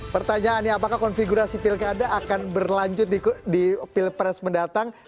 pertanyaannya apakah konfigurasi pilkada akan berlanjut di pilpres mendatang